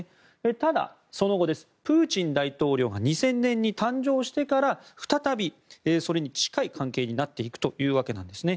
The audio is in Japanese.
ただ、その後、プーチン大統領が２０００年に誕生してから再びそれに近い関係になっていくというわけです。